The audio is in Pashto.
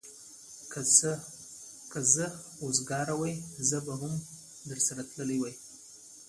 که زه وزګار وای، زه به هم درسره تللی وای.